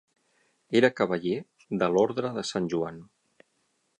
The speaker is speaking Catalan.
Era cavaller de l'Orde de Sant Joan.